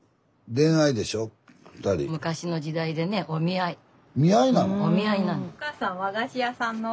昔の時代でね見合いなの？